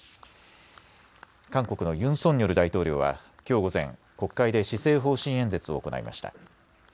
韓国のユン・ソンニョル大統領はきょう午前、国会で施政方針演説を行いました。